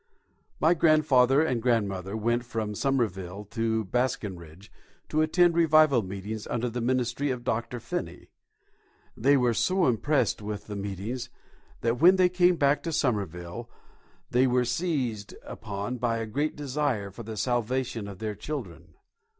My grandfather and grandmother went from Somerville to Baskenridge to attend revival meetings under the ministry of Dr. Finney. They were so impressed with the meetings that when they came back to Somerville they were seized upon by a great desire for the salvation of their children.